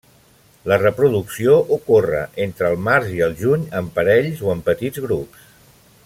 La reproducció ocorre entre el març i el juny en parells o en petits grups.